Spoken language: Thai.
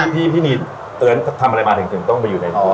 พี่นีเตือนทำอะไรมาถึงต้องไปอยู่ในนี้